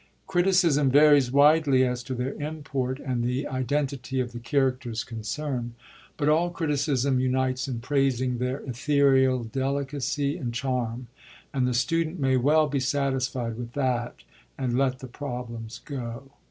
Criticism varies widely as to their import, and the io6 REVIEW OF THE SECOND PERIOD identity of the characters concemd ; but all criticism unites in praising their ethereal delicacy and charm, and the student may well be satisfied with that, and let the problems go.